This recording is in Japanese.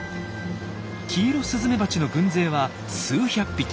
キイロスズメバチの軍勢は数百匹。